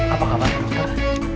apa kabar bu dokter